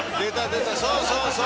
そうそうそう。